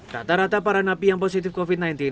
rata rata para napi yang positif covid sembilan belas